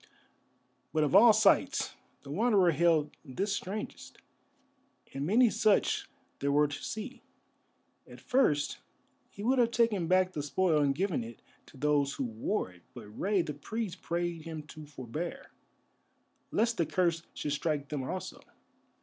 But of all sights the Wanderer held this strangest, and many such there were to see. At first he would have taken back the spoil and given it to those who wore it, but Rei the Priest prayed him to forbear, lest the curse should strike them also.